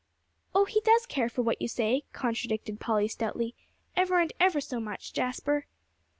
"Oh, he does care for what you say," contradicted Polly stoutly, "ever and ever so much, Jasper."